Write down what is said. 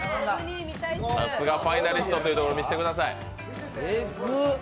さすがファイナリストというところを見せてください。